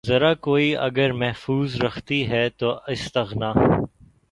زرہ کوئی اگر محفوظ رکھتی ہے تو استغنا